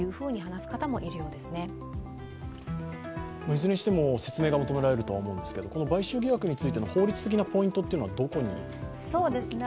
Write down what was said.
いずれにしても説明が求められると思うんですけれども、この買収疑惑についての法律的なポイントはどこになるんでしょうか。